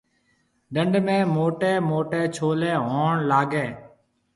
ڊنڍ ۾ موٽيَ موٽَي ڇولَي ھوئڻ لاگَي۔